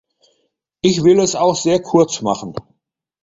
Ich will es auch sehr kurz machen.